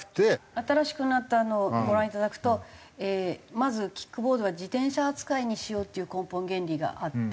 新しくなったのをご覧いただくとまずキックボードは自転車扱いにしようっていう根本原理があって。